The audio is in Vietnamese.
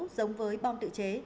giống với bom tự chế